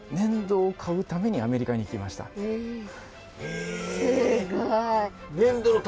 えすごい。